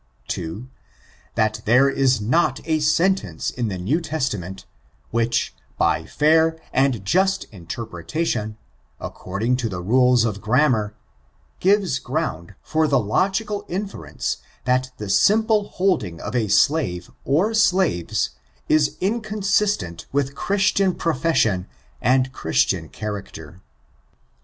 II. That there is not a sentence in the New Testament^ ichich, hy fair and just interpretation^ according to the rtdes of grammar, gives ground for the logical inference, that the simple holding of a slave, or slaves, is inconsistent tcith Christian profession and Christian character.